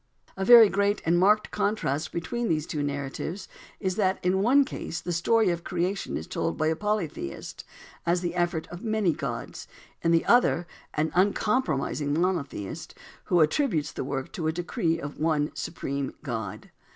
A very great and marked contrast between these two narratives is that in one case the story of creation is told by a polytheist, as the effort of many gods; in the other, by an uncompromising monotheist, who attributes the work to a decree of one Supreme God.